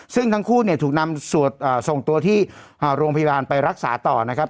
ซึ่งทั้งคู่เนี่ยถูกนำส่งตัวที่โรงพยาบาลไปรักษาต่อนะครับ